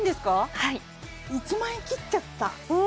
はい１万円切っちゃった